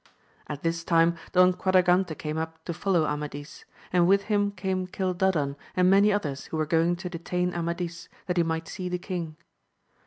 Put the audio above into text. At this time Don Quadragante came up to follow Amadis, and with him came Cildadan and many others who were going to detain Amadis, that he might see the king.